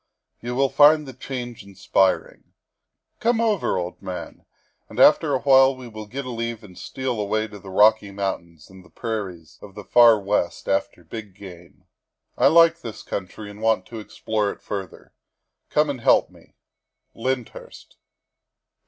You will find the change in spiring. Come over, old man, and after awhile we will get a leave and steal away to the Rocky Mountains and the prairies of the far West after big game. I like this country and want to explore it further. Come and help me. " LYNDHURST."